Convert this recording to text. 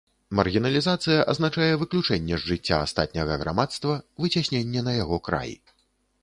Маргіналізацыя азначае выключэнне з жыцця астатняга грамадства, выцясненне на яго край.